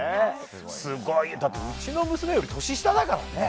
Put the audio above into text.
すごい。うちの娘より年下だからね。